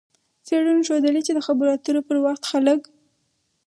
څېړنو ښودلې چې د خبرو اترو پر وخت خلک